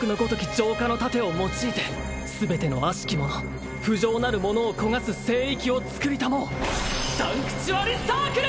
浄化の盾を用いて全ての悪しきもの不浄なるものを焦がす聖域を創り給うサンクチュアリサークル！